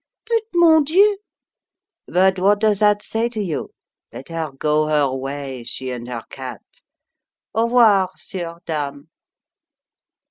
"But, mon Dieu!" "But what does that say to you? Let her go her way, she and her cat. Au r'voir, 'sieurs, 'dame."